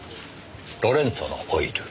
『ロレンツォのオイル』。